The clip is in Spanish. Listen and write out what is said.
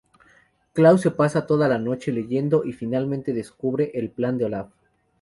Klaus se pasa toda la noche leyendo y finalmente descubre el plan de Olaf.